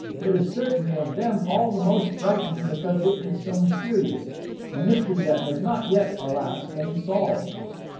It is certainly of them all the most frightening, because it is so mysterious, a mystery that has not yet, alas, been solved."